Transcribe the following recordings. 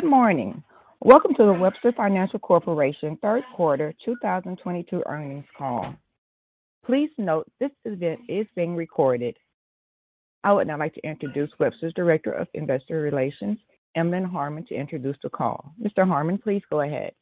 Good morning. Welcome to the Webster Financial Corporation Q3 2022 earnings call. Please note this event is being recorded. I would now like to introduce Webster's Director of Investor Relations, Emlen Harmon, to introduce the call. Mr. Harmon, please go ahead.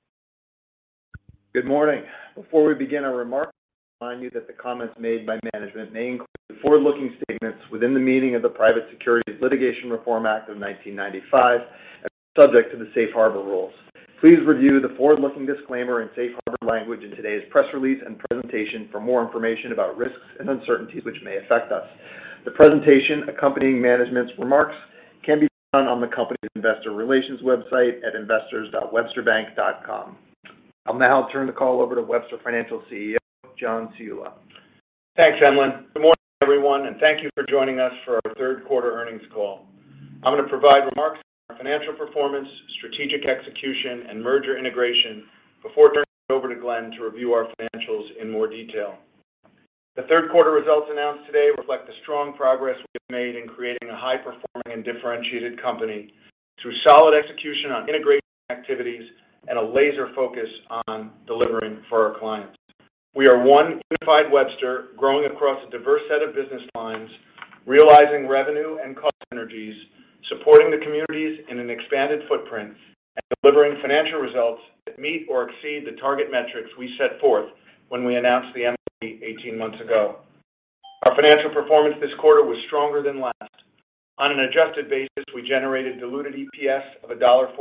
Good morning. Before we begin our remarks, I'd like to remind you that the comments made by management may include forward-looking statements within the meaning of the Private Securities Litigation Reform Act of 1995 and are subject to the safe harbor rules. Please review the forward-looking disclaimer and safe harbor language in today's press release and presentation for more information about risks and uncertainties which may affect us. The presentation accompanying management's remarks can be found on the company's investor relations website at investors.websterbank.com. I'll now turn the call over to Webster Financial CEO, John Ciulla. Thanks, Emlen. Good morning, everyone, and thank you for joining us for our Q3 earnings call. I'm going to provide remarks on our financial performance, strategic execution, and merger integration before turning it over to Glenn to review our financials in more detail. The Q3 results announced today reflect the strong progress we have made in creating a high-performing and differentiated company through solid execution on integration activities and a laser focus on delivering for our clients. We are one unified Webster growing across a diverse set of business lines, realizing revenue and cost synergies, supporting the communities in an expanded footprint, and delivering financial results that meet or exceed the target metrics we set forth when we announced the MOE 18 months ago. Our financial performance this quarter was stronger than last. On an adjusted basis, we generated diluted EPS of $1.46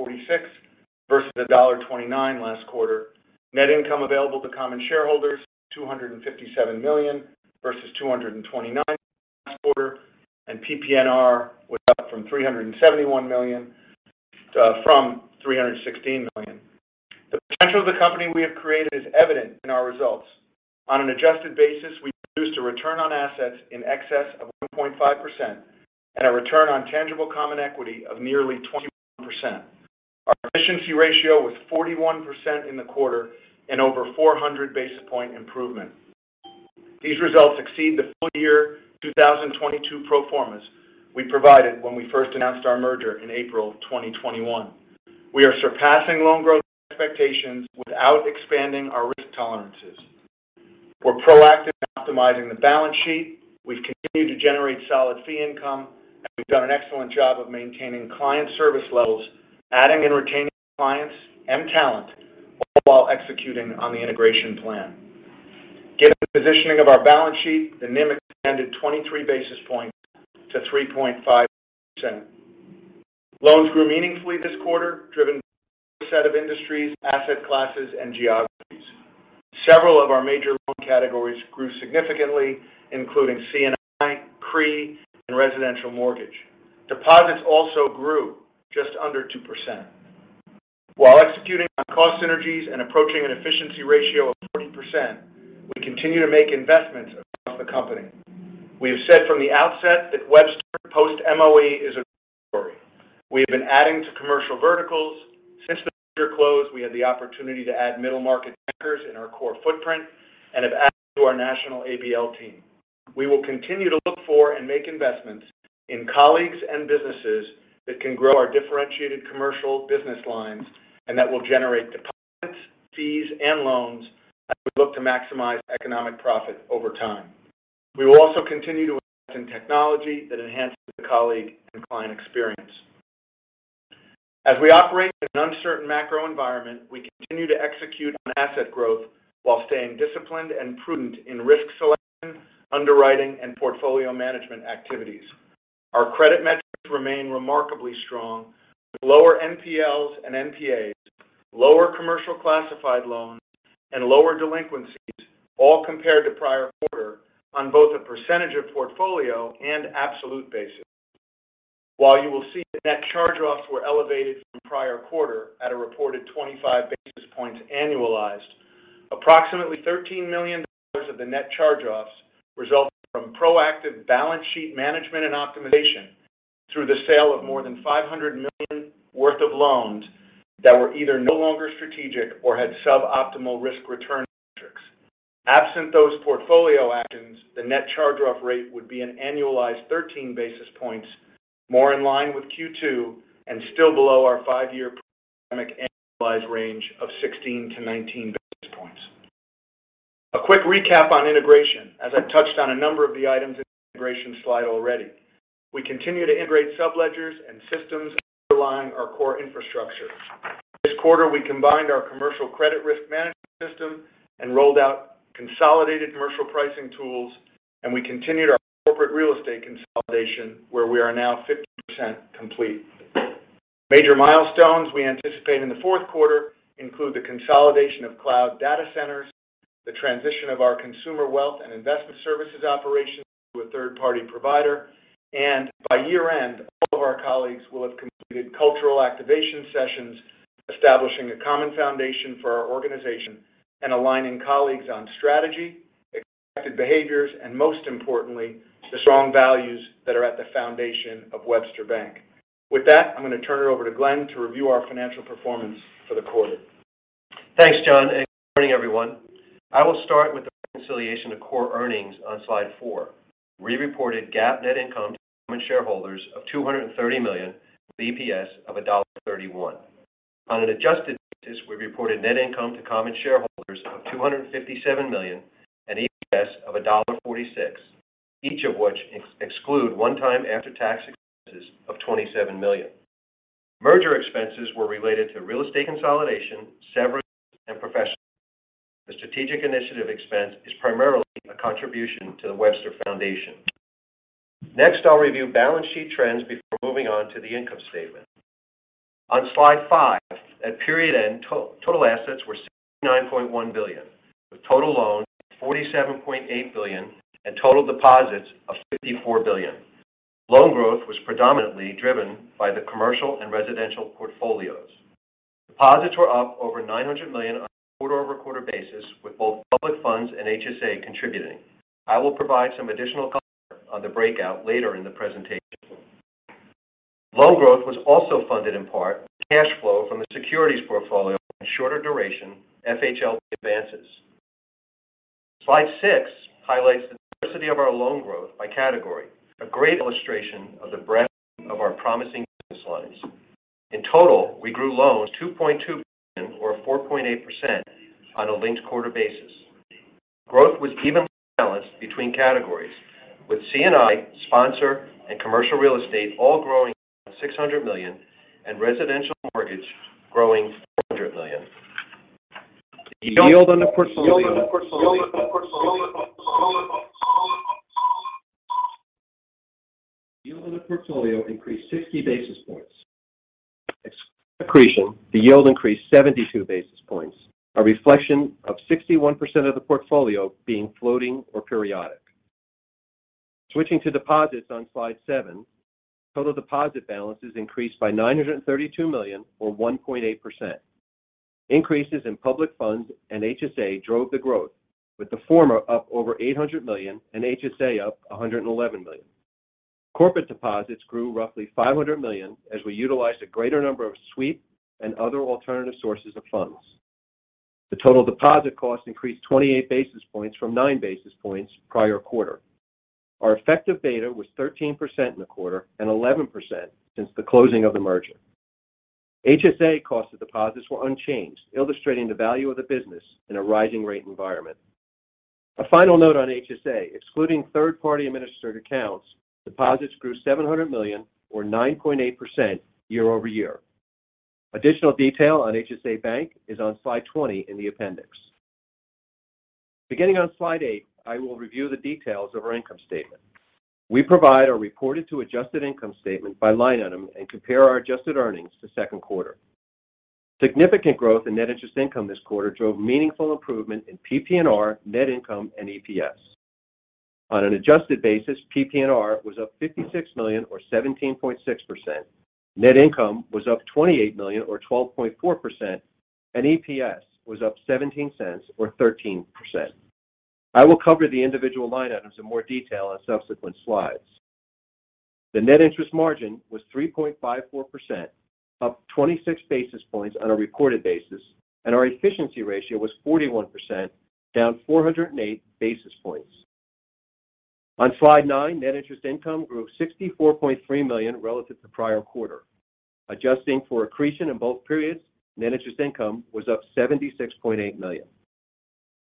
versus $1.29 last quarter. Net income available to common shareholders, $257 million versus $229 million last quarter, and PPNR was up to $371 million from $316 million. The potential of the company we have created is evident in our results. On an adjusted basis, we produced a return on assets in excess of 1.5% and a return on tangible common equity of nearly 21%. Our efficiency ratio was 41% in the quarter and over 400 basis point improvement. These results exceed the full-year 2022 pro formas we provided when we first announced our merger in April 2021. We are surpassing loan growth expectations without expanding our risk tolerances. We're proactive in optimizing the balance sheet. We've continued to generate solid fee income, and we've done an excellent job of maintaining client service levels, adding and retaining clients and talent all while executing on the integration plan. Given the positioning of our balance sheet, the NIM expanded 23 basis points to 3.5%. Loans grew meaningfully this quarter, driven by a set of industries, asset classes and geographies. Several of our major loan categories grew significantly, including C&I, CRE and residential mortgage. Deposits also grew just under 2%. While executing on cost synergies and approaching an efficiency ratio of 40%, we continue to make investments across the company. We have said from the outset that Webster post-MOE is a growth story. We have been adding to commercial verticals. Since the merger closed, we had the opportunity to add middle market bankers in our core footprint and have added to our national ABL team. We will continue to look for and make investments in colleagues and businesses that can grow our differentiated commercial business lines and that will generate deposits, fees and loans as we look to maximize economic profit over time. We will also continue to invest in technology that enhances the colleague and client experience. As we operate in an uncertain macro environment, we continue to execute on asset growth while staying disciplined and prudent in risk selection, underwriting, and portfolio management activities. Our credit metrics remain remarkably strong with lower NPLs and NPAs, lower commercial classified loans, and lower delinquencies all compared to prior quarter on both a percentage of portfolio and absolute basis. While you will see that net charge-offs were elevated from prior quarter at a reported 25 basis points annualized, approximately $13 million of the net charge-offs resulted from proactive balance sheet management and optimization through the sale of more than $500 million worth of loans that were either no longer strategic or had sub-optimal risk return metrics. Absent those portfolio actions, the net charge-off rate would be an annualized 13 basis points more in line with Q2 and still below our 5-year pandemic annualized range of 16-19 basis points. A quick recap on integration, as I've touched on a number of the items in the integration slide already. We continue to integrate subledgers and systems underlying our core infrastructure. This quarter, we combined our commercial credit risk management system and rolled out consolidated commercial pricing tools, and we continued our corporate real estate consolidation, where we are now 50% complete. Major milestones we anticipate in the Q4 include the consolidation of cloud data centers, the transition of our consumer wealth and investment services operations to a third-party provider, and by year-end, all of our colleagues will have completed cultural activation sessions, establishing a common foundation for our organization and aligning colleagues on strategy, expected behaviors, and most importantly, the strong values that are at the foundation of Webster Bank. With that, I'm going to turn it over to Glenn to review our financial performance for the quarter. Thanks, John, and good morning, everyone. I will start with the reconciliation of core earnings on slide four. We reported GAAP net income to common shareholders of $230 million with EPS of $1.31. On an adjusted basis, we reported net income to common shareholders of $257 million and EPS of $1.46, each of which exclude one-time after-tax expenses of $27 million. Merger expenses were related to real estate consolidation, severance, and professional services. The strategic initiative expense is primarily a contribution to the Webster Foundation. Next, I'll review balance sheet trends before moving on to the income statement. On slide five, at period end, total assets were $69.1 billion, with total loans of $47.8 billion and total deposits of $54 billion. Loan growth was predominantly driven by the commercial and residential portfolios. Deposits were up over $900 million on a quarter-over-quarter basis, with both public funds and HSA contributing. I will provide some additional color on the breakout later in the presentation. Loan growth was also funded in part with cash flow from the securities portfolio and shorter duration FHLB advances. Slide 6 highlights the diversity of our loan growth by category, a great illustration of the breadth of our promising business lines. In total, we grew loans $2.2 billion or 4.8% on a linked-quarter basis. Growth was evenly balanced between categories, with C&I, sponsor, and commercial real estate all growing around $600 million and residential mortgage growing $400 million. The yield on the portfolio increased 60 basis points. Excluding accretion, the yield increased 72 basis points, a reflection of 61% of the portfolio being floating or periodic. Switching to deposits on slide 7, total deposit balances increased by $932 million or 1.8%. Increases in public funds and HSA drove the growth, with the former up over $800 million and HSA up $111 million. Corporate deposits grew roughly $500 million as we utilized a greater number of sweep and other alternative sources of funds. The total deposit cost increased 28 basis points from 9 basis points prior quarter. Our effective beta was 13% in the quarter and 11% since the closing of the merger. HSA cost of deposits were unchanged, illustrating the value of the business in a rising rate environment. A final note on HSA, excluding third-party administered accounts, deposits grew $700 million or 9.8% year-over-year. Additional detail on HSA Bank is on slide 20 in the appendix. Beginning on slide 8, I will review the details of our income statement. We provide a reported to adjusted income statement by line item and compare our adjusted earnings to Q2. Significant growth in net interest income this quarter drove meaningful improvement in PPNR, net income, and EPS. On an adjusted basis, PPNR was up $56 million or 17.6%. Net income was up $28 million or 12.4%, and EPS was up $0.17 or 13%. I will cover the individual line items in more detail on subsequent slides. The net interest margin was 3.54%, up 26 basis points on a recorded basis, and our efficiency ratio was 41%, down 408 basis points. On slide 9, net interest income grew $64.3 million relative to prior quarter. Adjusting for accretion in both periods, net interest income was up $76.8 million.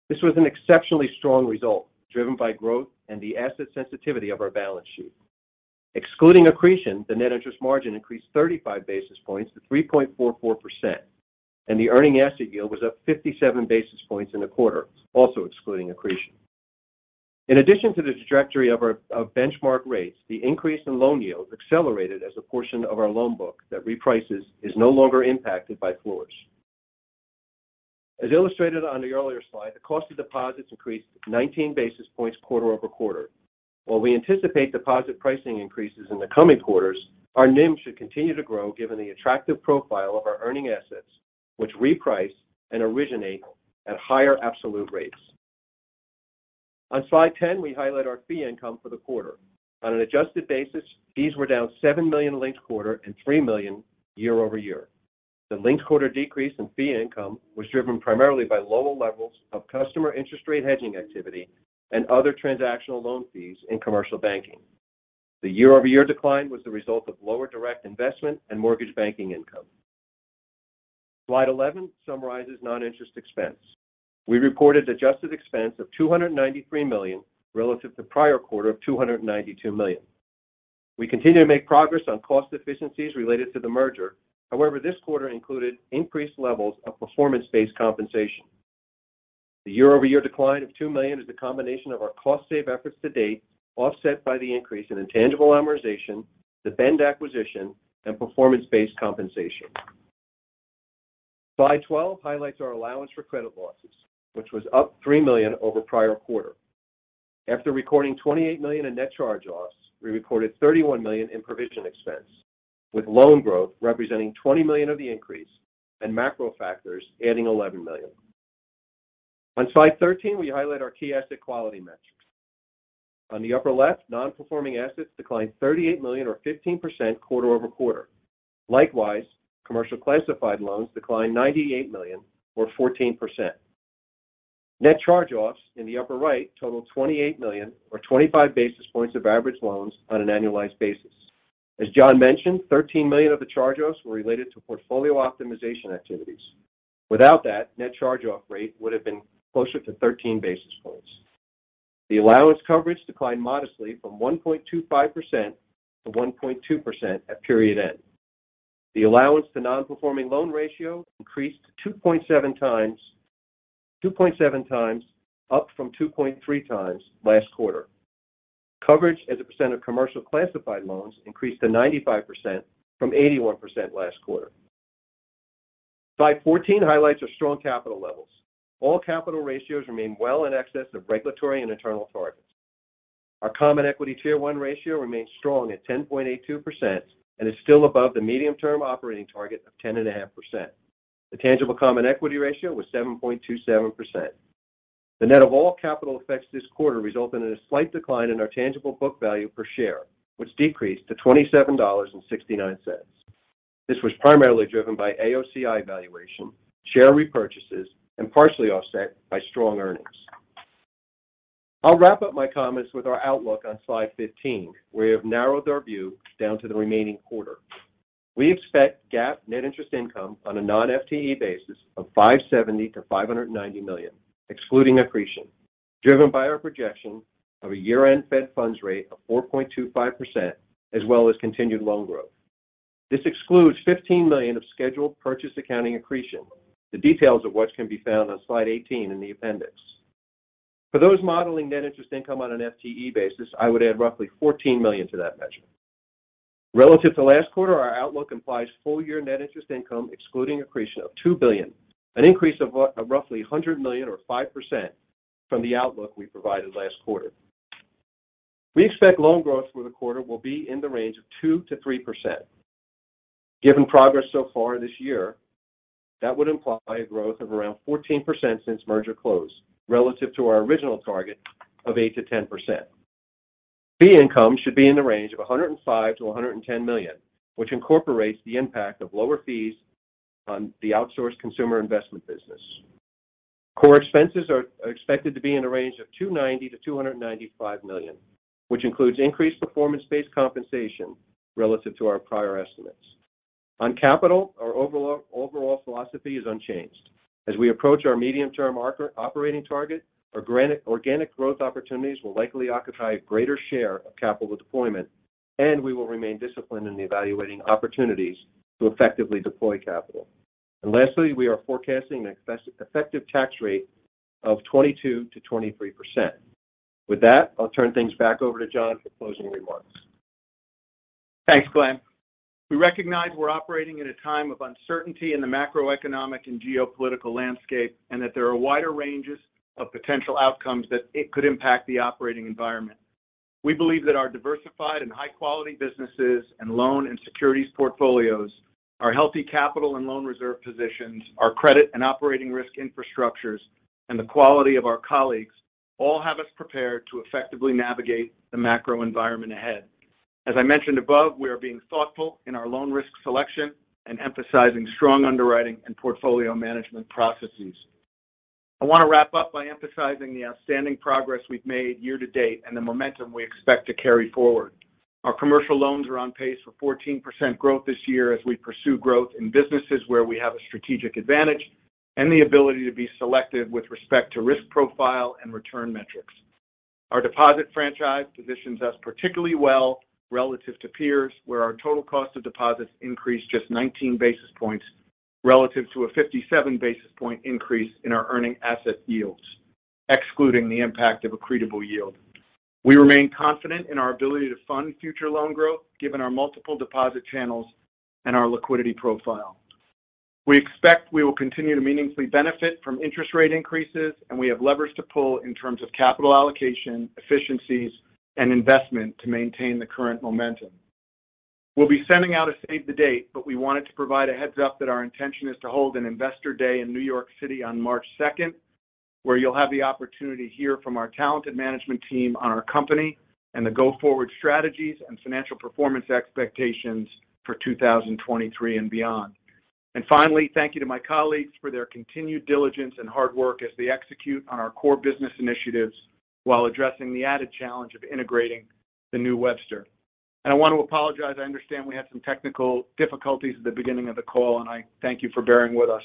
This was an exceptionally strong result driven by growth and the asset sensitivity of our balance sheet. Excluding accretion, the net interest margin increased 35 basis points to 3.44%, and the earning asset yield was up 57 basis points in the quarter, also excluding accretion. In addition to the trajectory of benchmark rates, the increase in loan yields accelerated as a portion of our loan book that reprices is no longer impacted by floors. As illustrated on the earlier slide, the cost of deposits increased 19 basis points quarter-over-quarter. While we anticipate deposit pricing increases in the coming quarters, our NIM should continue to grow given the attractive profile of our earning assets, which reprice and originate at higher absolute rates. On slide 10, we highlight our fee income for the quarter. On an adjusted basis, fees were down $7 million linked-quarter and $3 million year-over-year. The linked-quarter decrease in fee income was driven primarily by lower levels of customer interest rate hedging activity and other transactional loan fees in commercial banking. The year-over-year decline was the result of lower direct investment and mortgage banking income. Slide 11 summarizes non-interest expense. We reported adjusted expense of $293 million relative to prior-quarter of $292 million. We continue to make progress on cost efficiencies related to the merger. However, this quarter included increased levels of performance-based compensation. The year-over-year decline of $2 million is a combination of our cost save efforts to date, offset by the increase in intangible amortization, the Bend Financial acquisition, and performance-based compensation. Slide 12 highlights our allowance for credit losses, which was up $3 million over prior quarter. After recording $28 million in net charge-offs, we recorded $31 million in provision expense, with loan growth representing $20 million of the increase and macro factors adding $11 million. On slide 13, we highlight our key asset quality metrics. On the upper left, non-performing assets declined $38 million or 15% quarter-over-quarter. Likewise, commercial classified loans declined $98 million or 14%. Net charge-offs in the upper right totaled $28 million or 25 basis points of average loans on an annualized basis. As John mentioned, $13 million of the charge-offs were related to portfolio optimization activities. Without that, net charge-off rate would have been closer to 13 basis points. The allowance coverage declined modestly from 1.25% to 1.2% at period end. The allowance to non-performing loan ratio increased to 2.7 times, up from 2.3 times last quarter. Coverage as a percent of commercial classified loans increased to 95% from 81% last quarter. Slide 14 highlights our strong capital levels. All capital ratios remain well in excess of regulatory and internal targets. Our common equity tier one ratio remains strong at 10.82% and is still above the medium-term operating target of 10.5%. The tangible common equity ratio was 7.27%. The net of all capital effects this quarter resulted in a slight decline in our tangible book value per share, which decreased to $27.69. This was primarily driven by AOCI valuation, share repurchases, and partially offset by strong earnings. I'll wrap up my comments with our outlook on slide 15. We have narrowed our view down to the remaining quarter. We expect GAAP net interest income on a non-FTE basis of $570 million-$590 million, excluding accretion, driven by our projection of a year-end Fed funds rate of 4.25% as well as continued loan growth. This excludes $15 million of scheduled purchase accounting accretion. The details of which can be found on slide 18 in the appendix. For those modeling net interest income on an FTE basis, I would add roughly $14 million to that measure. Relative to last quarter, our outlook implies full-year net interest income excluding accretion of $2 billion, an increase of roughly $100 million or 5% from the outlook we provided last quarter. We expect loan growth for the quarter will be in the range of 2%-3%. Given progress so far this year, that would imply a growth of around 14% since merger close relative to our original target of 8%-10%. Fee income should be in the range of $105 million-$110 million, which incorporates the impact of lower fees on the outsourced consumer investment business. Core expenses are expected to be in a range of $290 million-$295 million, which includes increased performance-based compensation relative to our prior estimates. On capital, our overall philosophy is unchanged. As we approach our medium-term operating target, our organic growth opportunities will likely occupy a greater share of capital deployment, and we will remain disciplined in evaluating opportunities to effectively deploy capital. Lastly, we are forecasting an effective tax rate of 22%-23%. With that, I'll turn things back over to John for closing remarks. Thanks, Glenn. We recognize we're operating in a time of uncertainty in the macroeconomic and geopolitical landscape and that there are wider ranges of potential outcomes that it could impact the operating environment. We believe that our diversified and high-quality businesses and loan and securities portfolios, our healthy capital and loan reserve positions, our credit and operating risk infrastructures, and the quality of our colleagues all have us prepared to effectively navigate the macro environment ahead. As I mentioned above, we are being thoughtful in our loan risk selection and emphasizing strong underwriting and portfolio management processes. I want to wrap up by emphasizing the outstanding progress we've made year to date and the momentum we expect to carry forward. Our commercial loans are on pace for 14% growth this year as we pursue growth in businesses where we have a strategic advantage and the ability to be selective with respect to risk profile and return metrics. Our deposit franchise positions us particularly well relative to peers, where our total cost of deposits increased just 19 basis points relative to a 57 basis point increase in our earning asset yields, excluding the impact of accretable yield. We remain confident in our ability to fund future loan growth given our multiple deposit channels and our liquidity profile. We expect we will continue to meaningfully benefit from interest rate increases, and we have levers to pull in terms of capital allocation, efficiencies, and investment to maintain the current momentum. We'll be sending out a save the date, but we wanted to provide a heads up that our intention is to hold an investor day in New York City on March second, where you'll have the opportunity to hear from our talented management team on our company and the go-forward strategies and financial performance expectations for 2023 and beyond. Finally, thank you to my colleagues for their continued diligence and hard work as they execute on our core business initiatives while addressing the added challenge of integrating the new Webster. I want to apologize. I understand we had some technical difficulties at the beginning of the call, and I thank you for bearing with us.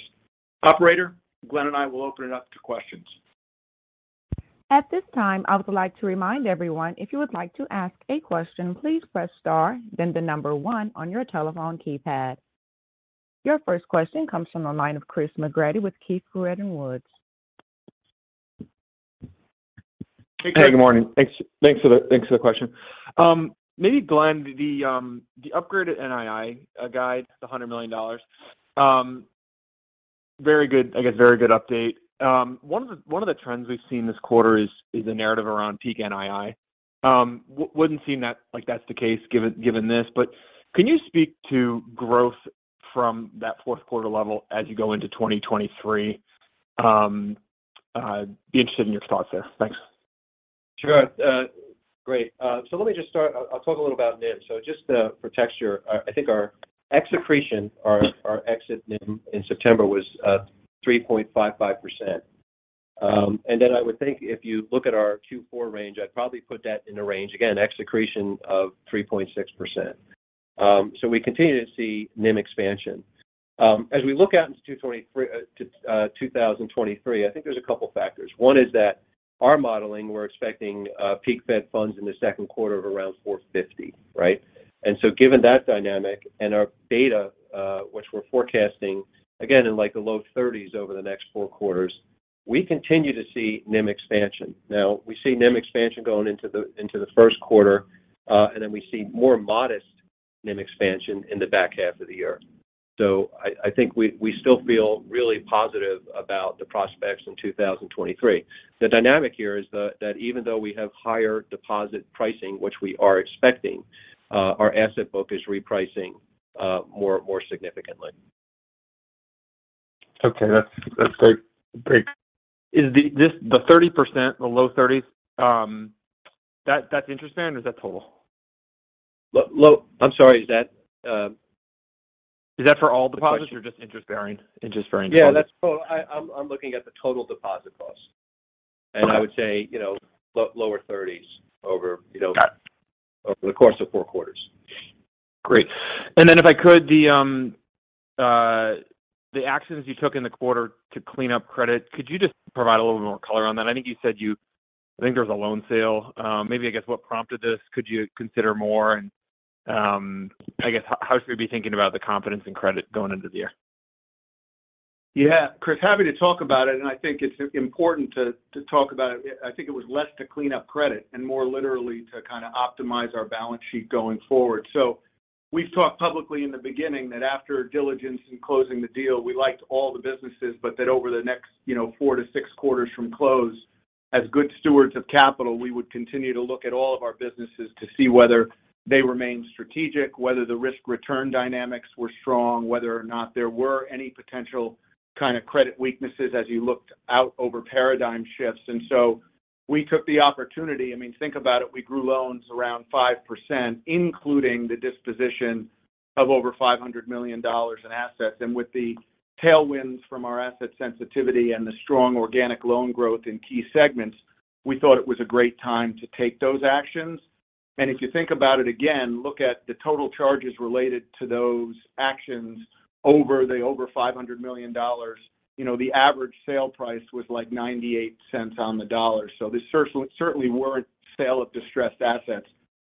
Operator, Glenn and I will open it up to questions. At this time, I would like to remind everyone if you would like to ask a question, please press star, then the number one on your telephone keypad. Your first question comes from the line of Chris McGratty with Keefe, Bruyette & Woods. Hey, good morning. Thanks for the question. Maybe Glenn, the upgraded NII guide to $100 million, very good. I guess very good update. One of the trends we've seen this quarter is the narrative around peak NII. Wouldn't seem like that's the case given this. Can you speak to growth from that Q4 level as you go into 2023? Be interested in your thoughts there. Thanks. Sure. Great. Let me just start. I'll talk a little about NIM. Just for context, I think our ex-accretion exit NIM in September was 3.55%. I would think if you look at our Q4 range, I'd probably put that in a range. Again, ex-accretion of 3.6%. We continue to see NIM expansion. As we look out into 2023, I think there's a couple factors. One is that our modeling, we're expecting peak Fed funds in the Q2 of around 4.50, right? Given that dynamic and our deposits, which we're forecasting again in like the low 30s over the next four quarters, we continue to see NIM expansion. Now, we see NIM expansion going into the Q1, and then we see more modest NIM expansion in the back half of the year. I think we still feel really positive about the prospects in 2023. The dynamic here is that even though we have higher deposit pricing, which we are expecting, our asset book is repricing more significantly. Okay. That's great. Great. Is the 30%, the low 30s, that's interest-bearing or is that total? I'm sorry, is that? Is that for all deposits or just interest-bearing deposits? Yeah, that's total. I'm looking at the total deposit costs. Okay. I would say, you know, lower thirties over, you know. Got it. over the course of four quarters. Great. If I could, the actions you took in the quarter to clean up credit, could you just provide a little more color on that? I think there was a loan sale. Maybe I guess what prompted this, could you consider more? I guess how should we be thinking about the confidence in credit going into the year? Yeah. Chris, happy to talk about it, and I think it's important to talk about it. I think it was less to clean up credit and more literally to kinda optimize our balance sheet going forward. We've talked publicly in the beginning that after diligence in closing the deal, we liked all the businesses, but that over the next, you know, 4-6 quarters from close, as good stewards of capital, we would continue to look at all of our businesses to see whether they remained strategic, whether the risk-return dynamics were strong, whether or not there were any potential kinda credit weaknesses as you looked out over paradigm shifts. We took the opportunity. I mean, think about it. We grew loans around 5%, including the disposition of over $500 million in assets. With the tailwinds from our asset sensitivity and the strong organic loan growth in key segments, we thought it was a great time to take those actions. If you think about it again, look at the total charges related to those actions over $500 million. You know, the average sale price was like $0.98 on the dollar. So they certainly weren't sales of distressed assets.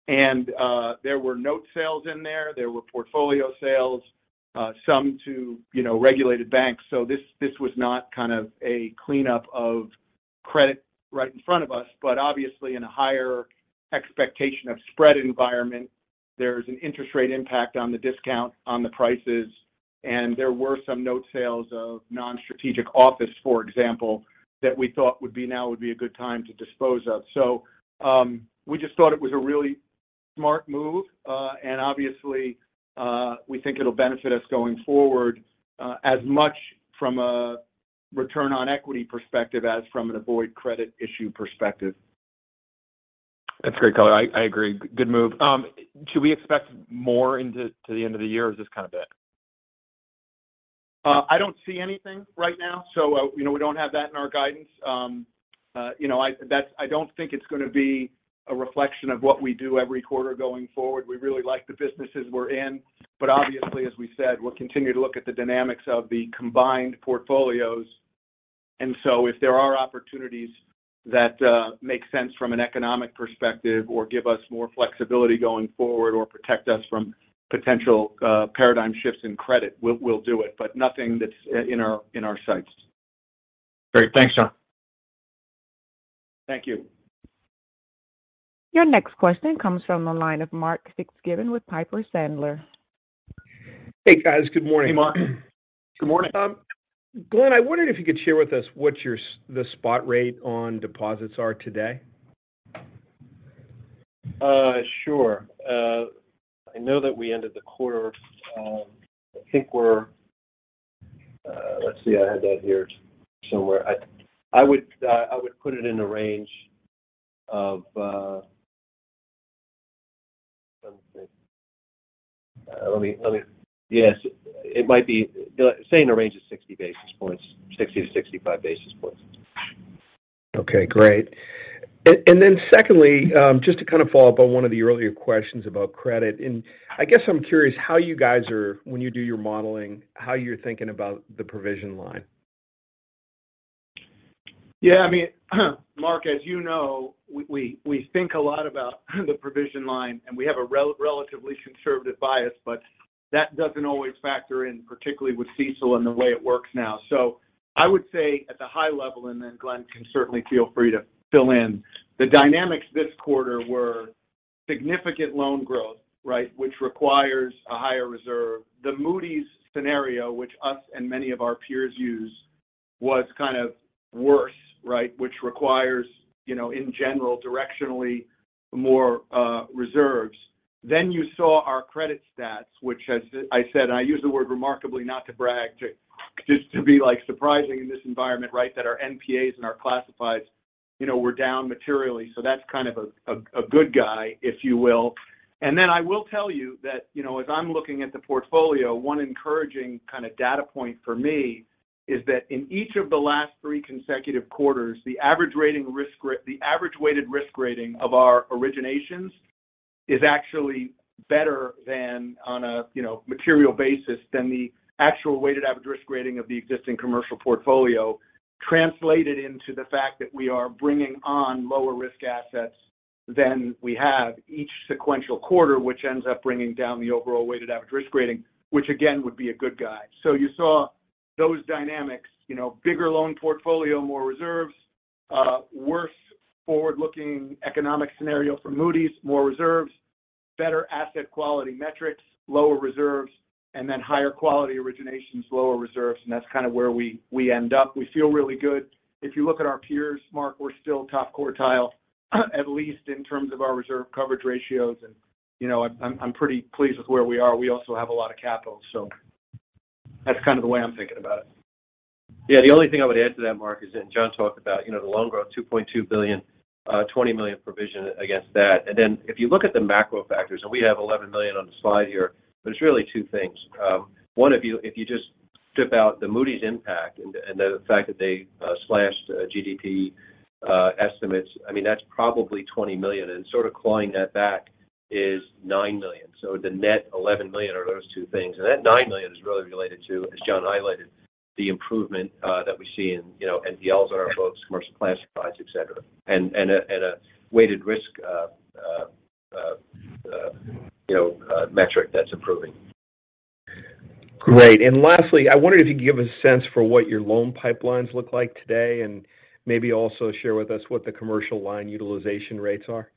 There were note sales in there were portfolio sales, some to, you know, regulated banks. So this was not kind of a cleanup of credit right in front of us. But obviously in a higher expectation of spread environment, there's an interest rate impact on the discount on the prices. There were some note sales of non-strategic office, for example, that we thought would be a good time to dispose of. We just thought it was a really smart move. Obviously, we think it'll benefit us going forward, as much from a return on equity perspective as from an avoid credit issue perspective. That's great color. I agree. Good move. Should we expect more to the end of the year, or is this kind of it? I don't see anything right now, so you know, we don't have that in our guidance. You know, I don't think it's gonna be a reflection of what we do every quarter going forward. We really like the businesses we're in. Obviously, as we said, we'll continue to look at the dynamics of the combined portfolios. So if there are opportunities that make sense from an economic perspective or give us more flexibility going forward or protect us from potential paradigm shifts in credit, we'll do it. Nothing that's in our sights. Great. Thanks, John. Thank you. Your next question comes from the line of Mark Fitzgibbon with Piper Sandler. Hey, guys. Good morning. Hey, Mark. Good morning. Glenn, I wondered if you could share with us what your spot rate on deposits are today? Sure. I know that we ended the quarter. Let's see. I had that here somewhere. I would put it in the range of. Let me. Yes. It might be. Say in the range of 60 basis points. 60-65 basis points. Okay, great. Then secondly, just to kind of follow up on one of the earlier questions about credit. I guess I'm curious when you do your modeling, how you're thinking about the provision line. Yeah. I mean, Mark, as you know, we think a lot about the provision line, and we have a relatively conservative bias. That doesn't always factor in, particularly with CECL and the way it works now. I would say at the high level, and then Glenn can certainly feel free to fill in, the dynamics this quarter were significant loan growth, right, which requires a higher reserve. The Moody's scenario, which we and many of our peers use, was kind of worse, right, which requires, you know, in general, directionally more reserves. You saw our credit stats which as I said, I use the word remarkably not to brag, to just to be like surprising in this environment, right, that our NPAs and our classifieds, you know, were down materially. That's kind of a good guy, if you will. I will tell you that, you know, as I'm looking at the portfolio, one encouraging kind of data point for me is that in each of the last three consecutive quarters, the average weighted risk rating of our originations is actually better than on a, you know, material basis than the actual weighted average risk rating of the existing commercial portfolio translated into the fact that we are bringing on lower risk assets than we have each sequential quarter, which ends up bringing down the overall weighted average risk rating, which again would be a good guy. You saw those dynamics. You know, bigger loan portfolio, more reserves. Worse forward-looking economic scenario for Moody's, more reserves. Better asset quality metrics, lower reserves. Higher quality originations, lower reserves. That's kind of where we end up. We feel really good. If you look at our peers, Mark, we're still top quartile at least in terms of our reserve coverage ratios. You know, I'm pretty pleased with where we are. We also have a lot of capital. That's kind of the way I'm thinking about it. Yeah. The only thing I would add to that, Mark, is that John talked about, you know, the loan growth, $2.2 billion, $20 million provision against that. If you look at the macro factors, and we have $11 million on the slide here, there's really two things. One, if you just strip out the Moody's impact and the fact that they slashed GDP estimates, I mean, that's probably $20 million. Sort of clawing that back is $9 million. The net $11 million are those two things. That $9 million is really related to, as John highlighted, the improvement that we see in, you know, NPLs on our books, commercial classifieds, et cetera, and a weighted risk, you know, metric that's improving. Great. Lastly, I wondered if you could give a sense for what your loan pipelines look like today, and maybe also share with us what the commercial line utilization rates are.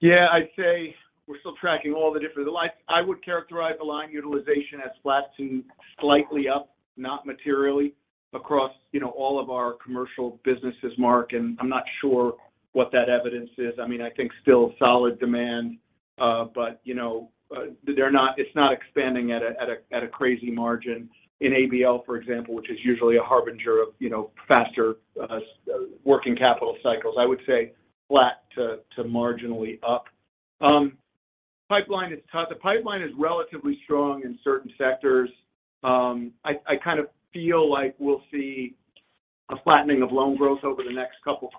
Yeah. I'd say we're still tracking all the different. Like, I would characterize the line utilization as flat to slightly up, not materially across, you know, all of our commercial businesses, Mark. I'm not sure what that evidence is. I mean, I think still solid demand, but, you know, it's not expanding at a crazy margin. In ABL, for example, which is usually a harbinger of, you know, faster working capital cycles, I would say flat to marginally up. Pipeline is tough. The pipeline is relatively strong in certain sectors. I kind of feel like we'll see a flattening of loan growth over the next couple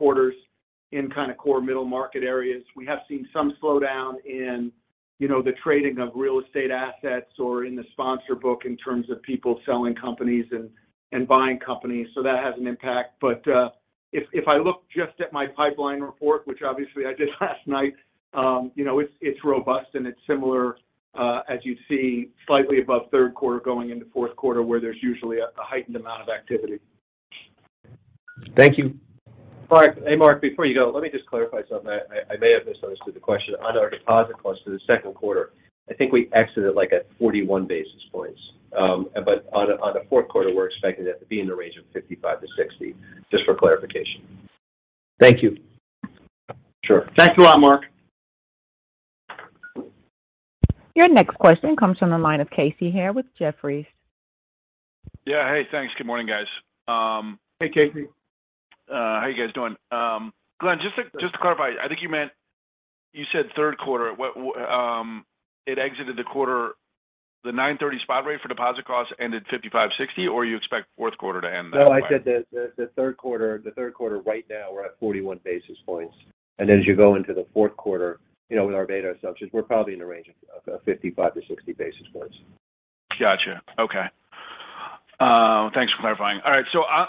quarters in kind of core middle market areas. We have seen some slowdown in, you know, the trading of real estate assets or in the sponsor book in terms of people selling companies and buying companies. That has an impact. If I look just at my pipeline report, which obviously I did last night, you know, it's robust and it's similar as you'd see slightly above Q3 going into Q4, where there's usually a heightened amount of activity. Thank you. Mark. Hey, Mark, before you go, let me just clarify something. I may have misunderstood the question. On our deposit cost for the Q2, I think we exited like at 41 basis points. But on the Q4, we're expecting that to be in the range of 55-60. Just for clarification. Thank you. Sure. Thanks a lot, Mark. Your next question comes from the line of Casey Haire with Jefferies. Yeah. Hey, thanks. Good morning, guys. Hey, Casey. How you guys doing? Glenn, just to clarify, I think you meant you said Q3, what it exited the quarter, the 9/30 spot rate for deposit costs ended 55, 60, or you expect Q4 to end that way? No, I said the Q3 right now we're at 41 basis points. As you go into the Q4, you know, with our beta assumptions, we're probably in the range of 55-60 basis points. Gotcha. Okay. Thanks for clarifying. All right.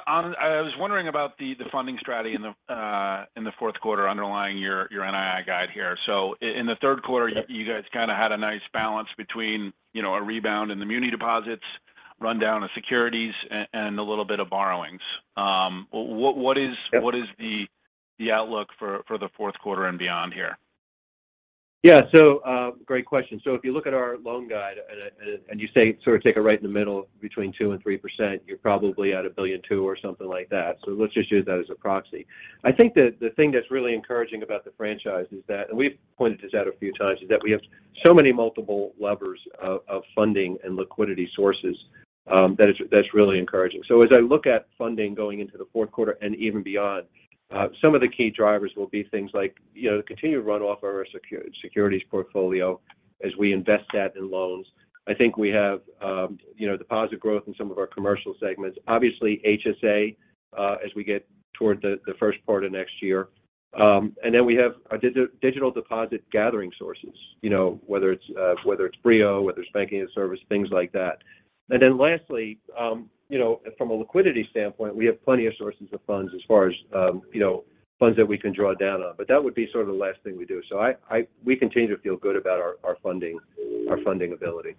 On, I was wondering about the funding strategy in the Q4 underlying your NII guide here. In the Q3, you guys kind of had a nice balance between, you know, a rebound in the muni deposits, rundown of securities, and a little bit of borrowings. What is- Yep What is the outlook for the Q4 and beyond here? Yeah. Great question. If you look at our loan growth and you say sort of take it right in the middle between 2% and 3%, you're probably at $1.2 billion or something like that. Let's just use that as a proxy. I think that the thing that's really encouraging about the franchise is that, and we've pointed this out a few times, is that we have so many multiple levers of funding and liquidity sources, that that's really encouraging. As I look at funding going into the Q4 and even beyond, some of the key drivers will be things like, you know, the continued runoff of our securities portfolio as we invest that in loans. I think we have, you know, deposit growth in some of our commercial segments. Obviously, HSA as we get toward the first part of next year. We have our digital deposit gathering sources, you know, whether it's BrioDirect, whether it's banking-as-service, things like that. Lastly, you know, from a liquidity standpoint, we have plenty of sources of funds as far as, you know, funds that we can draw down on. That would be sort of the last thing we do. We continue to feel good about our funding ability.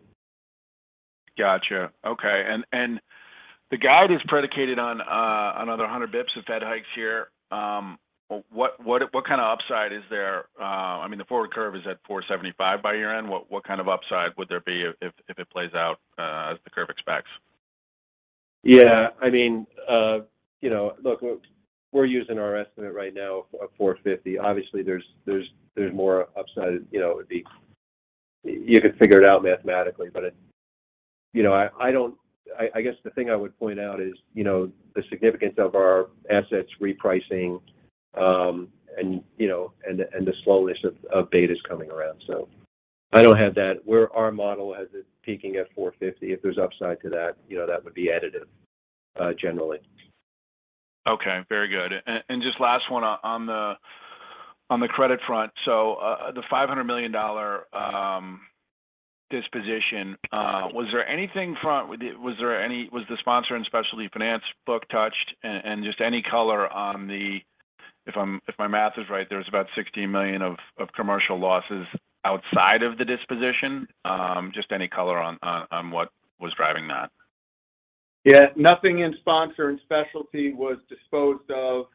Gotcha. Okay. The guide is predicated on another 100 basis points of Fed hikes here. What kind of upside is there? I mean, the forward curve is at 4.75 by year-end. What kind of upside would there be if it plays out as the curve expects? Yeah. I mean, you know, look, we're using our estimate right now of 4.50. Obviously, there's more upside. You know, you could figure it out mathematically. You know, I guess the thing I would point out is, you know, the significance of our assets repricing, and the slowness of betas coming around. So I don't have that. Our model has it peaking at 4.50. If there's upside to that, you know, that would be additive, generally. Okay. Very good. Just last one on the credit front. The $500 million disposition, was the sponsor and specialty finance book touched? Just any color on the. If my math is right, there was about $16 million of commercial losses outside of the disposition. Just any color on what was driving that. Yeah. Nothing in sponsor and specialty was disposed of.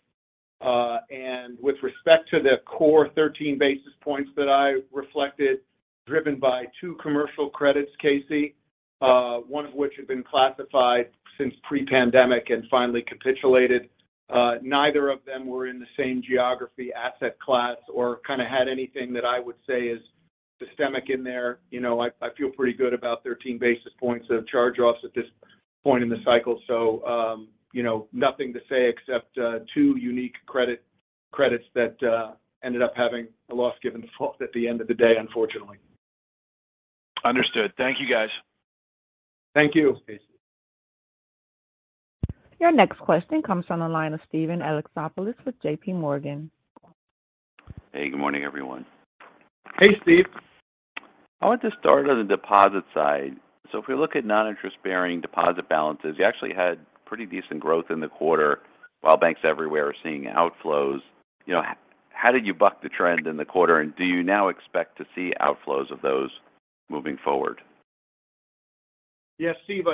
With respect to the core 13 basis points that I reflected driven by two commercial credits, Casey, one of which had been classified since pre-pandemic and finally capitulated. Neither of them were in the same geography asset class or kind of had anything that I would say is systemic in there. You know, I feel pretty good about 13 basis points of charge-offs at this point in the cycle. Nothing to say except two unique credits that ended up having a loss given default at the end of the day, unfortunately. Understood. Thank you, guys. Thank you, Casey. Your next question comes from the line of Steven Alexopoulos with JP Morgan. Hey, good morning, everyone. Hey, Steve. I want to start on the deposit side. If we look at non-interest-bearing deposit balances, you actually had pretty decent growth in the quarter while banks everywhere are seeing outflows. You know, how did you buck the trend in the quarter, and do you now expect to see outflows of those moving forward? Yes, Steve.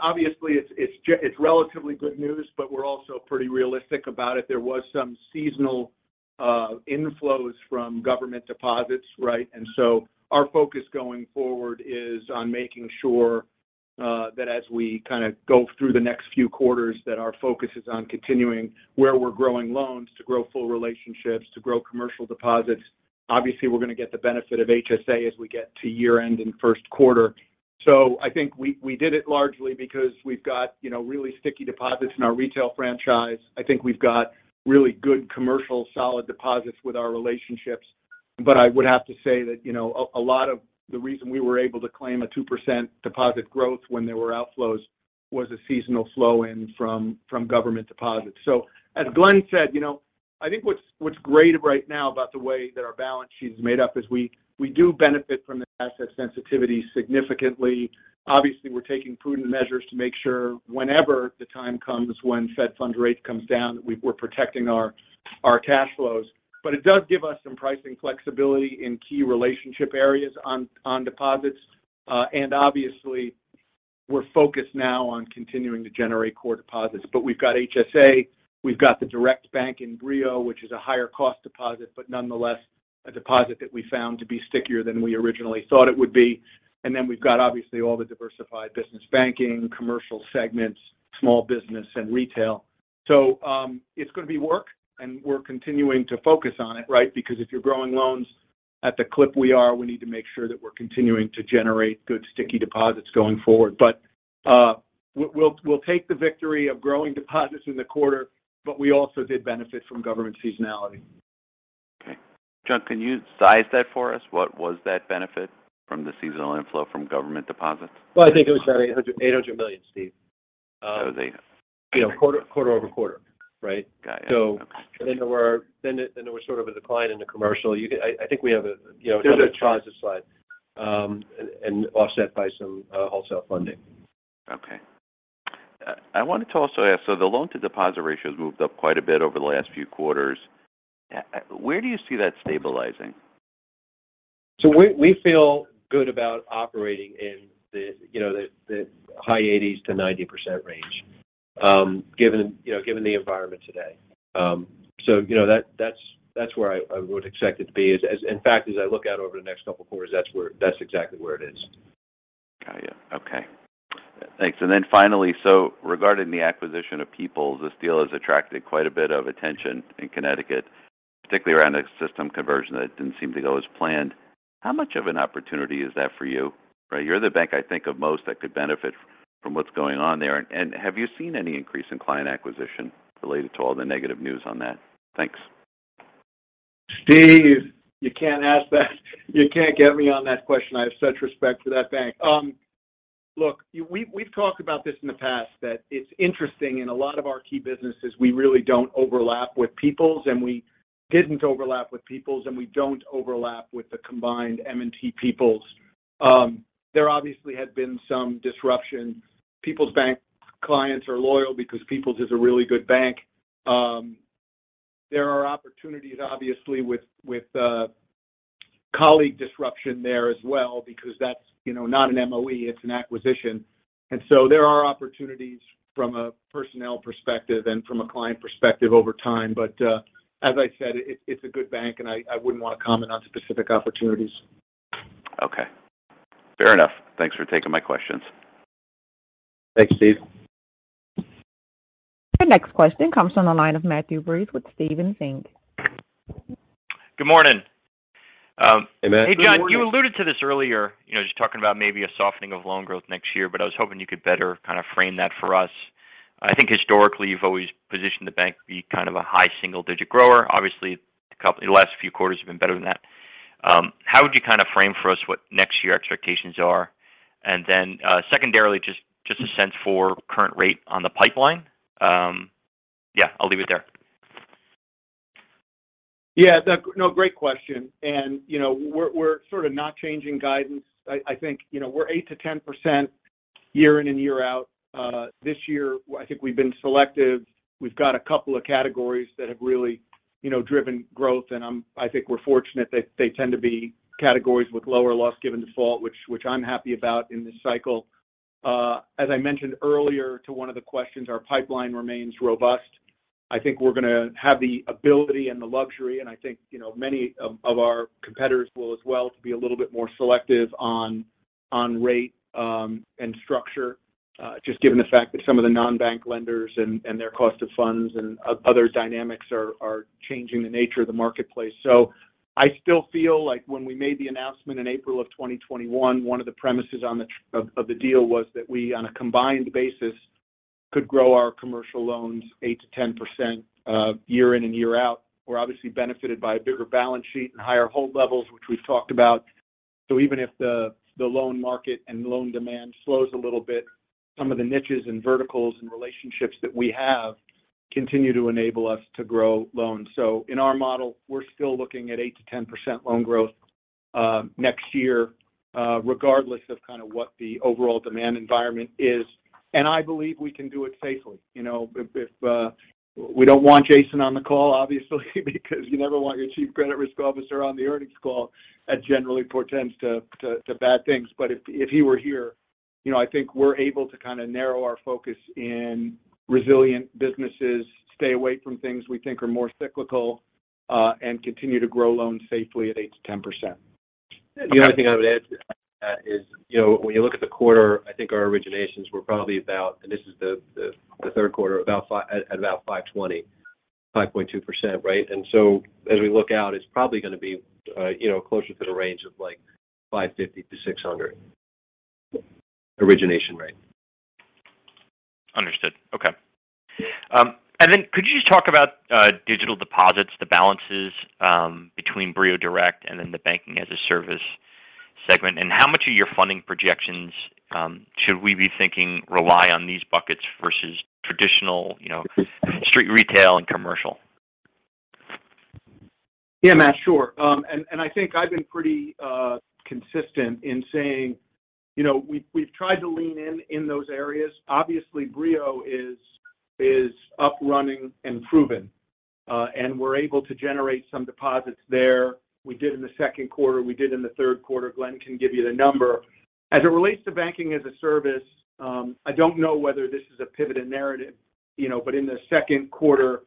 Obviously, it's relatively good news, but we're also pretty realistic about it. There was some seasonal inflows from government deposits, right? Our focus going forward is on making sure that as we kind of go through the next few quarters, that our focus is on continuing where we're growing loans to grow full relationships, to grow commercial deposits. Obviously, we're going to get the benefit of HSA as we get to year-end and Q1. I think we did it largely because we've got, you know, really sticky deposits in our retail franchise. I think we've got really good commercial solid deposits with our relationships. I would have to say that, you know, a lot of the reason we were able to claim a 2% deposit growth when there were outflows was a seasonal flow in from government deposits. As Glenn said, you know, I think what's great right now about the way that our balance sheet is made up is we do benefit from the asset sensitivity significantly. Obviously, we're taking prudent measures to make sure whenever the time comes when Fed funds rate comes down, that we're protecting our cash flows. It does give us some pricing flexibility in key relationship areas on deposits. And obviously we're focused now on continuing to generate core deposits. We've got HSA, we've got the direct bank in BrioDirect, which is a higher cost deposit, but nonetheless a deposit that we found to be stickier than we originally thought it would be. Then we've got obviously all the diversified business banking, commercial segments, small business and retail. It's going to be work, and we're continuing to focus on it, right? Because if you're growing loans at the clip we are, we need to make sure that we're continuing to generate good sticky deposits going forward. We'll take the victory of growing deposits in the quarter, but we also did benefit from government seasonality. Okay. John, can you size that for us? What was that benefit from the seasonal inflow from government deposits? Well, I think it was about $800 million, Steve. That was 8. You know, quarter-over-quarter, right? Got it. Okay. There was sort of a decline in the commercial. I think we have a, you know- There's a chart, a slide. Offset by some wholesale funding. Okay. I wanted to also ask, so the loan to deposit ratio has moved up quite a bit over the last few quarters. Where do you see that stabilizing? We feel good about operating in the, you know, the high 80s-90% range, given the environment today. You know, that's where I would expect it to be. In fact, as I look out over the next couple of quarters, that's exactly where it is. Got you. Okay. Thanks. Regarding the acquisition of People's United, this deal has attracted quite a bit of attention in Connecticut, particularly around the system conversion that didn't seem to go as planned. How much of an opportunity is that for you, right? You're the bank I think of most that could benefit from what's going on there. Have you seen any increase in client acquisition related to all the negative news on that? Thanks. Steve, you can't ask that. You can't get me on that question. I have such respect for that bank. Look, we've talked about this in the past that it's interesting in a lot of our key businesses, we really don't overlap with People's United, and we didn't overlap with People's United, and we don't overlap with the combined M&T People's United. There obviously had been some disruption. People's United Bank clients are loyal because People's United is a really good bank. There are opportunities obviously with colleague disruption there as well because that's, you know, not an MOE, it's an acquisition. There are opportunities from a personnel perspective and from a client perspective over time. As I said, it's a good bank and I wouldn't want to comment on specific opportunities. Okay. Fair enough. Thanks for taking my questions. Thanks, Steven. The next question comes from the line of Matthew Breese with Stephens Inc. Good morning. Hey, Matt. Hey, John. You alluded to this earlier, you know, just talking about maybe a softening of loan growth next year, but I was hoping you could better kind of frame that for us. I think historically you've always positioned the bank to be kind of a high single digit grower. Obviously, a couple the last few quarters have been better than that. How would you kind of frame for us what next year expectations are? And then, secondarily, just a sense for current rate on the pipeline. Yeah, I'll leave it there. Yeah, no, great question. You know, we're sort of not changing guidance. I think, you know, we're 8%-10% year in and year out. This year I think we've been selective. We've got a couple of categories that have really, you know, driven growth and I think we're fortunate that they tend to be categories with lower loss given default which I'm happy about in this cycle. As I mentioned earlier to one of the questions, our pipeline remains robust. I think we're gonna have the ability and the luxury, and I think, you know, many of our competitors will as well, to be a little bit more selective on rate and structure just given the fact that some of the non-bank lenders and their cost of funds and other dynamics are changing the nature of the marketplace. I still feel like when we made the announcement in April of 2021, one of the premises of the deal was that we, on a combined basis, could grow our commercial loans 8%-10% year in and year out. We're obviously benefited by a bigger balance sheet and higher hold levels, which we've talked about. Even if the loan market and loan demand slows a little bit, some of the niches and verticals and relationships that we have continue to enable us to grow loans. In our model, we're still looking at 8%-10% loan growth next year, regardless of kind of what the overall demand environment is. I believe we can do it safely. You know, if we don't want Jason on the call, obviously because you never want your Chief Credit Officer on the earnings call. That generally portends to bad things. If he were here, you know, I think we're able to kind of narrow our focus in resilient businesses, stay away from things we think are more cyclical, and continue to grow loans safely at 8%-10%. The only thing I would add to that is, you know, when you look at the quarter, I think our originations were probably about, and this is the Q3, about 5.20, 5.2%, right? As we look out, it's probably gonna be, you know, closer to the range of like 5.50%-6.00% origination rate. Understood. Okay. Then could you just talk about digital deposits, the balances, between BrioDirect and then the banking-as-a-service segment? How much of your funding projections should we be thinking rely on these buckets versus traditional, you know, street retail and commercial? Yeah, Matt, sure. And I think I've been pretty consistent in saying, you know, we've tried to lean in those areas. Obviously, BrioDirect is up, running, and proven, and we're able to generate some deposits there. We did in the Q2. We did in the Q3. Glenn can give you the number. As it relates to banking-as-a-service, I don't know whether this is a pivot in narrative, you know. In the Q2,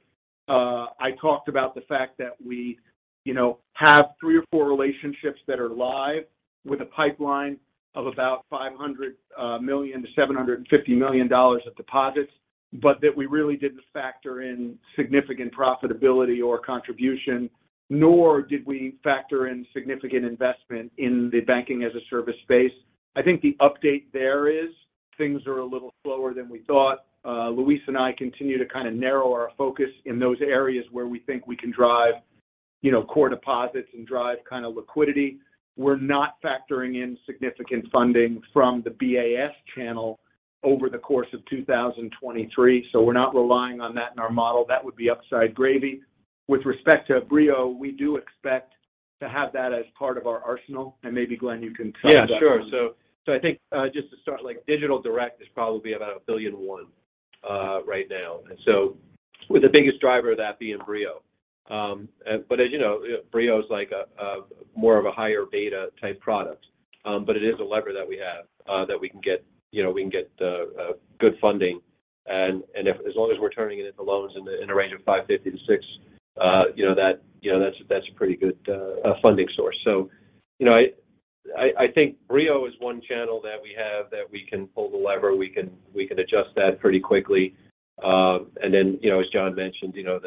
I talked about the fact that we, you know, have three or four relationships that are live with a pipeline of about $500 million-$750 million of deposits, but that we really didn't factor in significant profitability or contribution, nor did we factor in significant investment in the banking-as-a-service space. I think the update there is things are a little slower than we thought. Luis and I continue to kind of narrow our focus in those areas where we think we can drive, you know, core deposits and drive kind of liquidity. We're not factoring in significant funding from the BaaS channel over the course of 2023, so we're not relying on that in our model. That would be upside gravy. With respect to BrioDirect, we do expect to have that as part of our arsenal. Maybe Glenn, you can touch on. Yeah, sure. I think, just to start, like digital direct is probably about $1.1 billion right now. With the biggest driver of that being BrioDirect. But as you know, BrioDirect is like a more of a higher beta type product. It is a lever that we have that we can get, you know, good funding and if as long as we're turning it into loans in a range of 5.50%-6%, you know that, you know, that's a pretty good funding source. I think BrioDirect is one channel that we have that we can pull the lever, we can adjust that pretty quickly. As John mentioned, you know,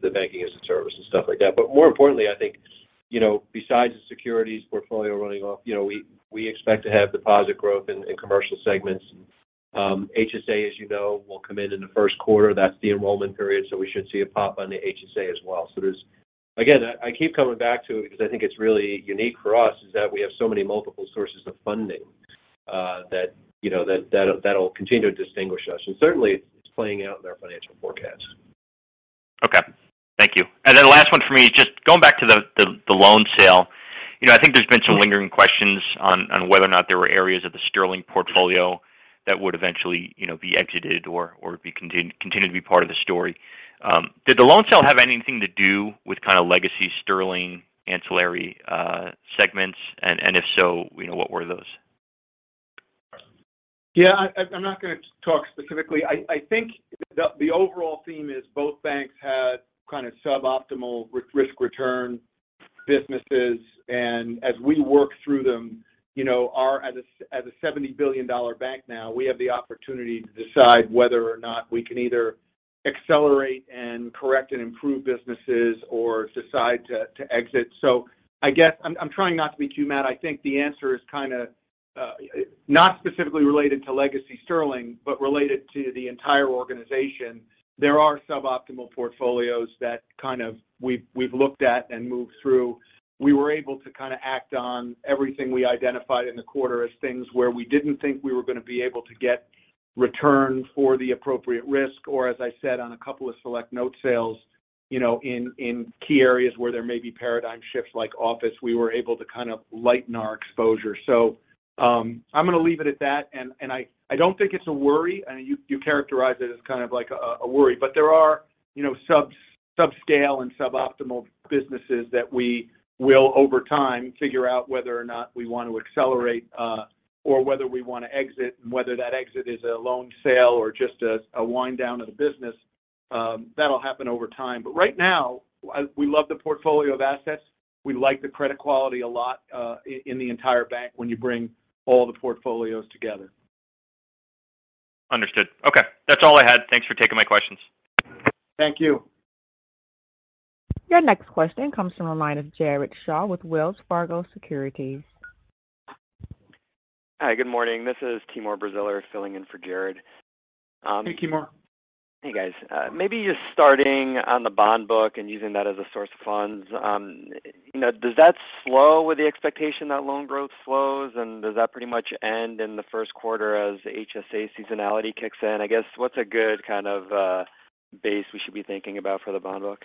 the banking-as-a-service and stuff like that. More importantly, I think, you know, besides the securities portfolio running off, you know, we expect to have deposit growth in commercial segments. HSA, as you know, will come in the Q1. That's the enrollment period, so we should see it pop on the HSA as well. There's again, I keep coming back to it because I think it's really unique for us, is that we have so many multiple sources of funding, that you know that'll continue to distinguish us. Certainly it's playing out in our financial forecast. Okay. Thank you. Last one for me, John. The loan sale. You know, I think there's been some lingering questions on whether or not there were areas of the Sterling portfolio that would eventually, you know, be exited or continue to be part of the story. Did the loan sale have anything to do with kind of legacy Sterling ancillary segments? If so, you know, what were those? Yeah. I'm not gonna talk specifically. I think the overall theme is both banks had kind of suboptimal risk return businesses, and as we work through them, you know, as a $70 billion bank now, we have the opportunity to decide whether or not we can either accelerate and correct and improve businesses or decide to exit. I guess I'm trying not to be too mad. I think the answer is kinda not specifically related to legacy Sterling, but related to the entire organization. There are suboptimal portfolios that kind of we've looked at and moved through. We were able to kind of act on everything we identified in the quarter as things where we didn't think we were gonna be able to get return for the appropriate risk, or as I said on a couple of select note sales, you know, in key areas where there may be paradigm shifts like office, we were able to kind of lighten our exposure. I'm gonna leave it at that. I don't think it's a worry. I know you characterized it as kind of like a worry. There are, you know, subscale and suboptimal businesses that we will over time figure out whether or not we want to accelerate, or whether we wanna exit and whether that exit is a loan sale or just a wind down of the business. That'll happen over time. Right now, we love the portfolio of assets. We like the credit quality a lot, in the entire bank when you bring all the portfolios together. Understood. Okay. That's all I had. Thanks for taking my questions. Thank you. Your next question comes from the line of Jared Shaw with Wells Fargo Securities. Hi. Good morning. This is Timur Braziler filling in for Jared. Hey, Timur. Hey, guys. Maybe just starting on the bond book and using that as a source of funds, you know, does that slow with the expectation that loan growth slows, and does that pretty much end in the Q1 as HSA seasonality kicks in? I guess, what's a good kind of base we should be thinking about for the bond book?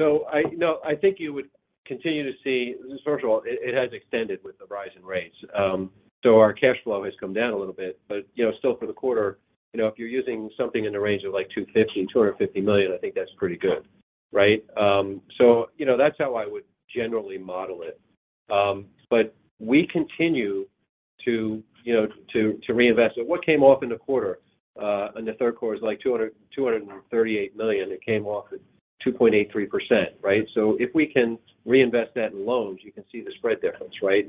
I think you would continue to see. First of all, it has extended with the rise in rates. Our cash flow has come down a little bit. You know, still for the quarter, you know, if you're using something in the range of, like, $250 million, I think that's pretty good, right? You know, that's how I would generally model it. You know, we continue to reinvest. What came off in the quarter, in the Q3 is $238 million. It came off at 2.83%, right? If we can reinvest that in loans, you can see the spread difference, right?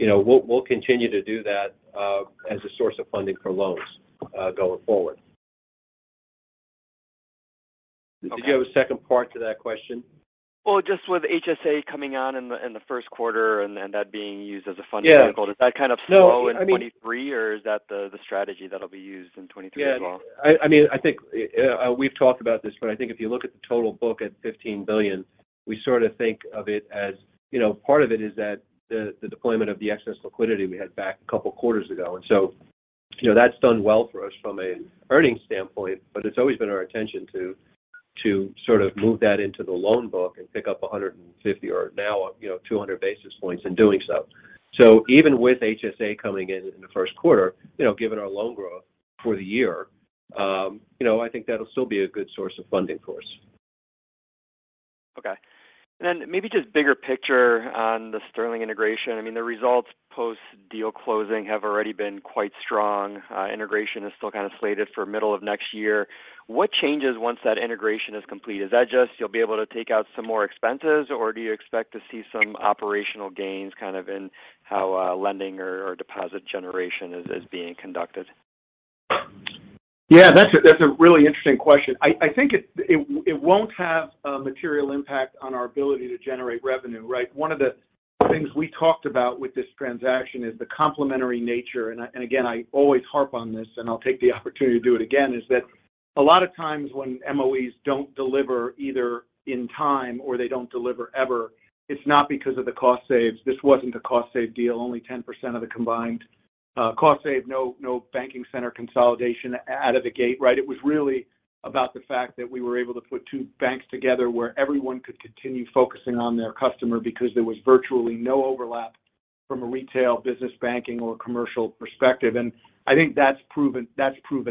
You know, we'll continue to do that as a source of funding for loans, going forward. Okay. Did you have a second part to that question? Well, just with HSA coming on in the Q1 and that being used as a funding vehicle. Yeah. Does that kind of slowdown in 2023, or is that the strategy that'll be used in 2023 as well? Yeah. I mean, I think we've talked about this. I think if you look at the total book at $15 billion, we sort of think of it as, you know, part of it is that the deployment of the excess liquidity we had back a couple quarters ago. You know, that's done well for us from an earnings standpoint, but it's always been our intention to sort of move that into the loan book and pick up 150 or now, you know, 200 basis points in doing so. Even with HSA coming in in the Q1, you know, given our loan growth for the year, you know, I think that'll still be a good source of funding for us. Okay. Maybe just bigger picture on the Sterling integration. I mean, the results post-deal closing have already been quite strong. Integration is still kind of slated for middle of next year. What changes once that integration is complete? Is that just you'll be able to take out some more expenses, or do you expect to see some operational gains kind of in how lending or deposit generation is being conducted? Yeah, that's a really interesting question. I think it won't have a material impact on our ability to generate revenue, right? One of the things we talked about with this transaction is the complementary nature. Again, I always harp on this, and I'll take the opportunity to do it again, is that a lot of times when MOEs don't deliver either in time or they don't deliver ever, it's not because of the cost savings. This wasn't a cost savings deal. Only 10% of the combined cost savings, no banking center consolidation out of the gate, right? It was really about the fact that we were able to put two banks together where everyone could continue focusing on their customer because there was virtually no overlap from a retail business banking or commercial perspective. I think that's proven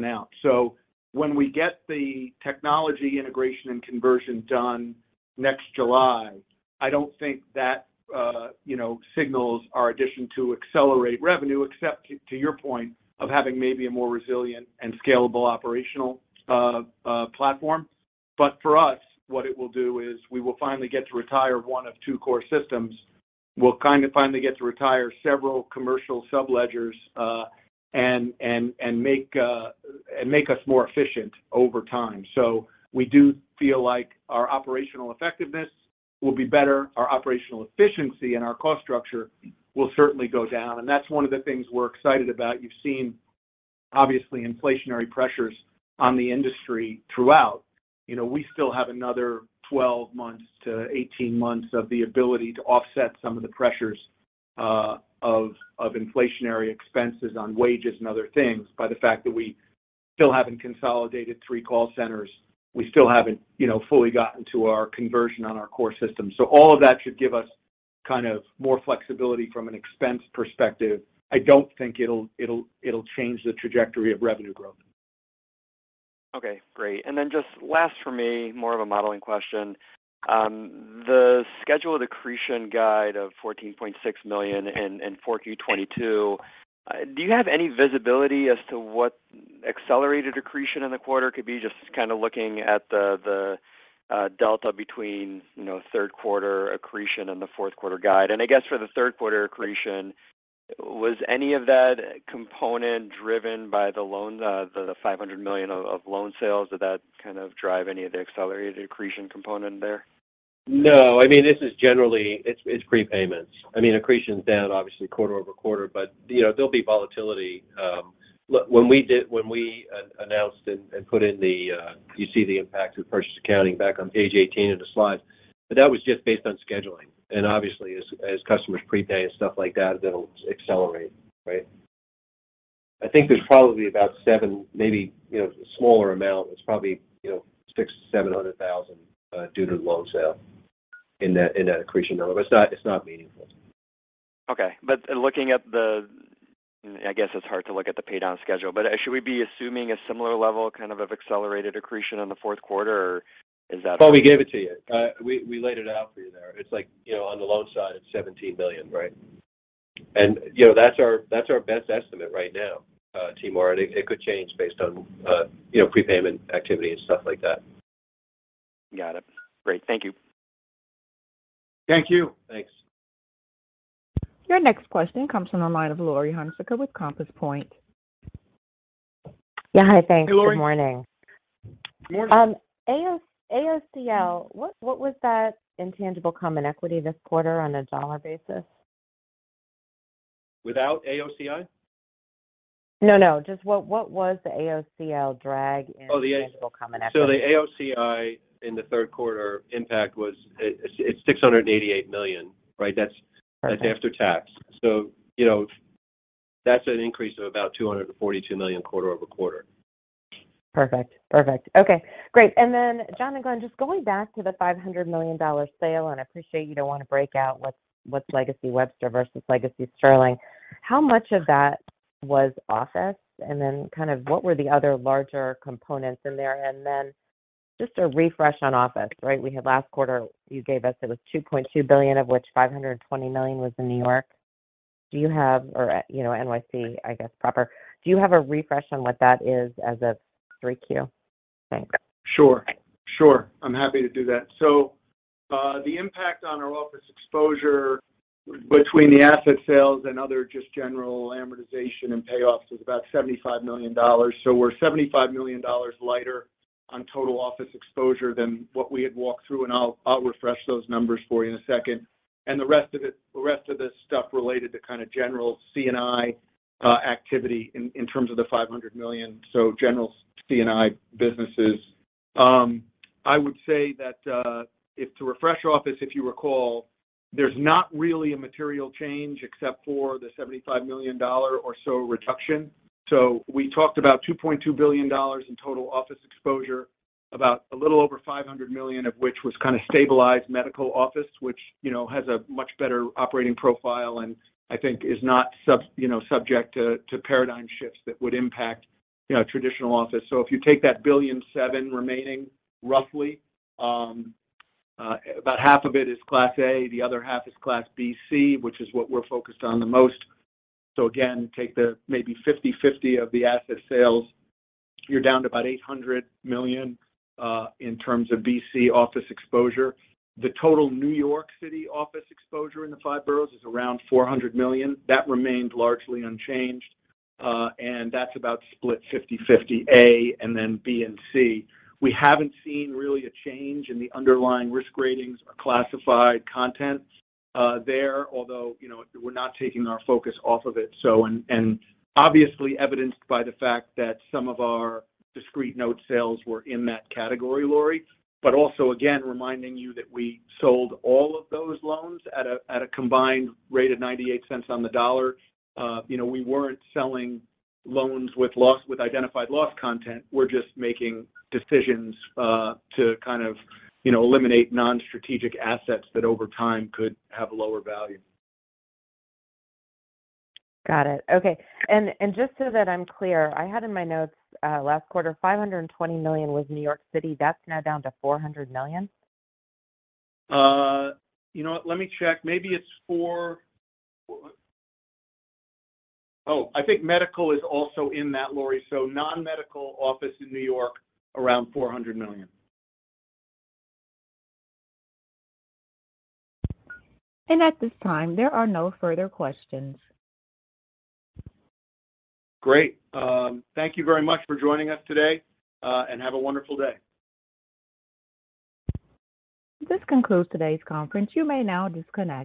out. So when we get the technology integration and conversion done next July, I don't think that you know signals our addition to accelerate revenue, except to your point of having maybe a more resilient and scalable operational platform. But for us, what it will do is we will finally get to retire one of two core systems. We'll kind of finally get to retire several commercial subledgers and make us more efficient over time. So we do feel like our operational effectiveness will be better. Our operational efficiency and our cost structure will certainly go down, and that's one of the things we're excited about. You've seen obviously inflationary pressures on the industry throughout. You know, we still have another 12-18 months of the ability to offset some of the pressures of inflationary expenses on wages and other things by the fact that we still haven't consolidated three call centers. We still haven't, you know, fully gotten to our conversion on our core system. So all of that should give us kind of more flexibility from an expense perspective. I don't think it'll change the trajectory of revenue growth. Okay, great. Just last for me, more of a modeling question. The scheduled accretion guide of $14.6 million in 4Q 2022, do you have any visibility as to what accelerated accretion in the quarter could be just kind of looking at the delta between, you know, Q3 accretion and the Q4 guide? I guess for the Q3 accretion, was any of that component driven by the loans, the $500 million of loan sales? Did that kind of drive any of the accelerated accretion component there? No. I mean, this is generally it's prepayments. I mean, accretion's down obviously quarter-over-quarter, but, you know, there'll be volatility. Look, when we announced and put in the, you see the impact of purchase accounting back on page 18 of the slides. That was just based on scheduling. Obviously as customers prepay and stuff like that'll accelerate. Right? I think there's probably about 7, maybe, you know, a smaller amount. It's probably, you know, $600,000-$700,000 due to the loan sale in that accretion number. It's not meaningful. Okay. I guess it's hard to look at the pay down schedule, but should we be assuming a similar level kind of accelerated accretion in the Q4, or is that? Well, we gave it to you. We laid it out for you there. It's like, you know, on the loan side, it's $17 billion, right? You know, that's our best estimate right now, Timur. It could change based on, you know, prepayment activity and stuff like that. Got it. Great. Thank you. Thank you. Thanks. Your next question comes from the line of Laurie Hunsicker with Compass Point. Yeah. Hi. Thanks. Hey, Laurie. Good morning. Good morning. AOCI, what was that tangible common equity this quarter on a dollar basis? Without AOCI? No. Just what was the AOCI drag in- Oh, the- tangible common equity. The AOCI in the Q3 impact it's $688 million, right? Perfect. That's after tax. You know, that's an increase of about $242 million quarter-over-quarter. Perfect. Okay, great. John and Glenn, just going back to the $500 million sale, and I appreciate you don't want to break out what's legacy Webster versus legacy Sterling. How much of that was office? What were the other larger components in there? Just a refresh on office, right? We had last quarter, you gave us it was $2.2 billion, of which $520 million was in New York. Do you have or, you know, NYC, I guess, proper. Do you have a refresh on what that is as of 3Q? Thanks. I'm happy to do that. The impact on our office exposure between the asset sales and other just general amortization and payoffs was about $75 million. We're $75 million lighter on total office exposure than what we had walked through, and I'll refresh those numbers for you in a second. The rest of it, the rest of this stuff related to kind of general C&I activity in terms of the $500 million, so general C&I businesses. I would say that if to refresh office, if you recall, there's not really a material change except for the $75 million dollar or so reduction. We talked about $2.2 billion in total office exposure, about a little over $500 million of which was kind of stabilized medical office, which, you know, has a much better operating profile and I think is not subject to paradigm shifts that would impact, you know, traditional office. If you take that $1.7 billion remaining roughly, about half of it is class A, the other half is class BC, which is what we're focused on the most. Again, take the maybe 50/50 of the asset sales. You're down to about $800 million in terms of BC office exposure. The total New York City office exposure in the five boroughs is around $400 million. That remained largely unchanged, and that's about split 50/50 A and then B and C. We haven't seen really a change in the underlying risk ratings or classified content there, although, you know, we're not taking our focus off of it. Obviously evidenced by the fact that some of our discrete note sales were in that category, Laurie. Also again, reminding you that we sold all of those loans at a combined rate of $0.98 on the dollar. You know, we weren't selling loans with identified loss content. We're just making decisions to kind of, you know, eliminate non-strategic assets that over time could have lower value. Got it. Okay. Just so that I'm clear, I had in my notes, last quarter, $520 million was New York City. That's now down to $400 million? You know what? Let me check. Maybe it's four. Oh, I think medical is also in that, Laurie. Non-medical office in New York, around $400 million. At this time, there are no further questions. Great. Thank you very much for joining us today, and have a wonderful day. This concludes today's conference. You may now disconnect.